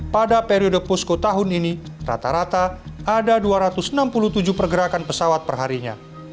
pada periode posko tahun ini rata rata ada dua ratus enam puluh tujuh pergerakan pesawat perharinya